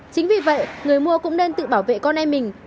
chính vì vậy người mua cũng nên tự bảo vệ con em mình